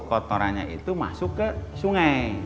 kotorannya itu masuk ke sungai